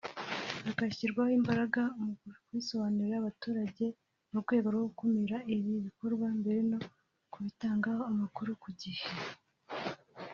hagashyirwa imbaraga mu kubisobanurira abaturage mu rwego rwo gukumira ibi bikorwa mbere no kubitangaho amakuru ku gihe